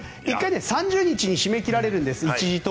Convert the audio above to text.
３０日に締め切られるんです